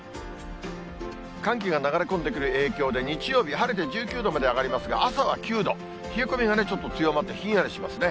寒気が流れ込んでくる影響で、日曜日、晴れて１９度まで上がりますが、朝は９度、冷え込みがちょっと強まって、ひんやりしますね。